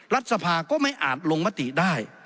รัฐสภาก็ไม่อาจลงมติได้